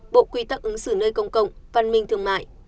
bộ quy tắc ứng xử nơi công cộng văn minh thương mại